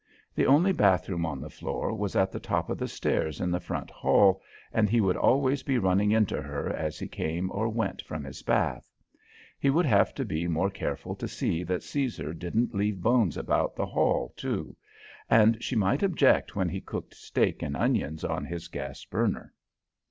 The only bath room on the floor was at the top of the stairs in the front hall, and he would always be running into her as he came or went from his bath. He would have to be more careful to see that Caesar didn't leave bones about the hall, too; and she might object when he cooked steak and onions on his gas burner.